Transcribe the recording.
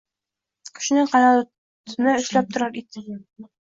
Qushning qanotini ushlab turar it —